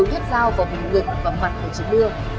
hưng nhét dao vào hình ngực và mặt của chiếc mưa